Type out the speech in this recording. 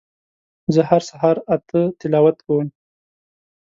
زه هر سهار اته تلاوت کوم